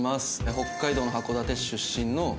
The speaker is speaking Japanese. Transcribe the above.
北海道の函館市出身の３０歳。